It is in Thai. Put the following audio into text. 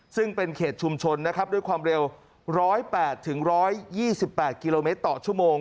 ซึ่งเป็นเขตชุมชนนะครับด้วยความเร็ว๑๐๘๑๒๘กิโลเมตรต่อชั่วโมง